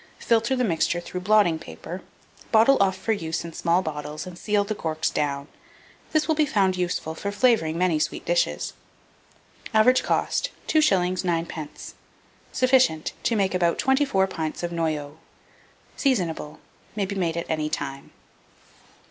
Filter the mixture through blotting paper, bottle off for use in small bottles, and seal the corks down. This will be found useful for flavouring many sweet dishes. Average cost, 2s. 9d. Sufficient to make about 24 pints of Noyeau. Seasonable. May be made at any time.